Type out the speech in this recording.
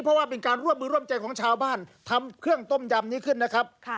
เพราะว่าเป็นการร่วมมือร่วมใจของชาวบ้านทำเครื่องต้มยำนี้ขึ้นนะครับ